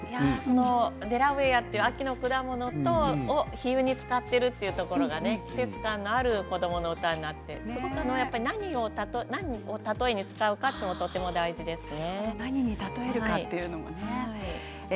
デラウェア、秋の果物を比喩に使っているということが季節感がある子どもの歌になって何を例えに使うかがとても大事ですね。